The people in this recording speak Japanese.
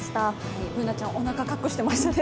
Ｂｏｏｎａちゃん、おなか隠していましたね。